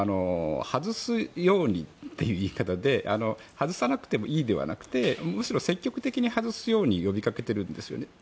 外すようにっていう言い方で外さなくてもいいではなくてむしろ積極的に外すように呼びかけてるんですよね。